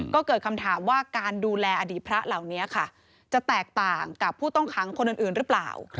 ก็เกิดคำถามว่าการดูแลอดีตพระเหล่านี้ค่ะจะแตกต่างกับผู้ต้องขังคนอื่นหรือเปล่า